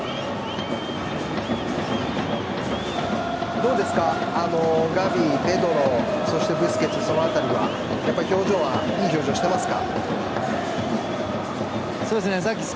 どうですか、ガヴィ、ペドロそしてブスケツ、そのあたりはやっぱ表情はいい表情してますか。